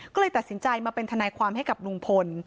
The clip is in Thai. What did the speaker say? ก็เลยตัดสินใจมาเป็นทนายความให้กับลุงพล